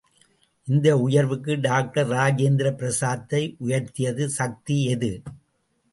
இந்த உயர்வுக்கு டாக்டர் ராஜேந்திர பிரசாத்தை உயர்த்திய சக்தி எது?